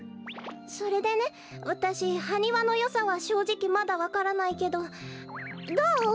それでねわたしハニワのよさはしょうじきまだわからないけどどう？